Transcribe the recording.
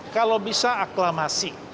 kalau bisa aklamasi